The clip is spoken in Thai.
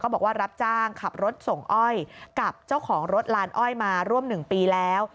บอกว่ารับจ้างขับรถส่งอ้อยกับเจ้าของรถลานอ้อยมาร่วม๑ปีแล้ว